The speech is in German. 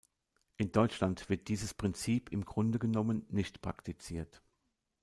In Deutschland wird dieses Prinzip im Grunde genommen nicht praktiziert.